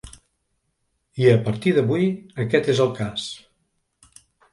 I, a partir d’avui, aquest és el cas.